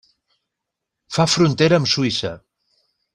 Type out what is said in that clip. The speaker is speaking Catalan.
Fa frontera amb Suïssa.